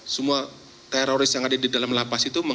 semua teroris yang ada di dalam lapas itu